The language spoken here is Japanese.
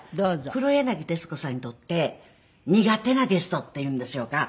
黒柳徹子さんにとって苦手なゲストっていうんでしょうか。